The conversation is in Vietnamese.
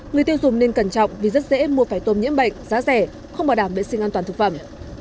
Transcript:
người tiêu dùng nên cẩn trọng vì rất dễ mua phải tôm nhiễm bệnh giá rẻ không bảo đảm vệ sinh an toàn thực phẩm